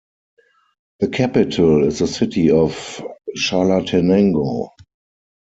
The capital is the city of Chalatenango.